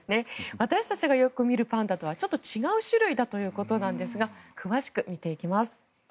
私たちがよく見るパンダとはちょっと違う種類だということなんですが詳しく見ていきます。